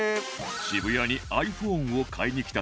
渋谷に ｉＰｈｏｎｅ を買いに来たという